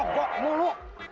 hah mogok mulu